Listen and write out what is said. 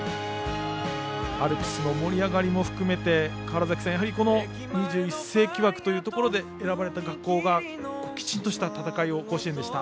アルプスの盛り上がりも含めてやはり２１世紀枠で選ばれた学校がきちんとした戦いを甲子園でした。